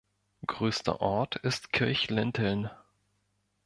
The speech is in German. Größter Ort ist Kirchlinteln.